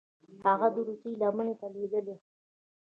هغه د روسیې لمنې ته لوېدلي وه.